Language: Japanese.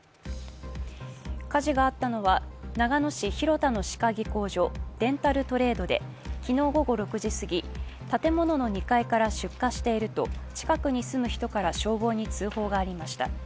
火事があったのは長野市広田の歯科技工所、デンタルトレードで昨日午後６時過ぎ、建物の２階から出火していると近くに住む人から消防に通報がありました。